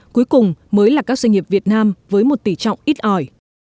cuối cùng mới là các doanh nghiệp việt nam với một tỷ trọng ít ỏi